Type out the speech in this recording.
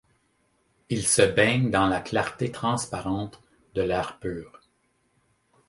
Ils se baignent dans la clarté transparente de l'air pur.